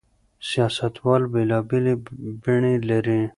سياستوال بېلابېلې بڼې لري.